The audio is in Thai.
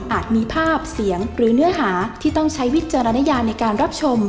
มีภาพเสียงหรือเนื้อหาที่ต้องใช้วิจารณญาในการรับชม